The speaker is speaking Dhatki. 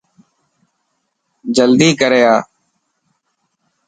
جلدي ڪر آ.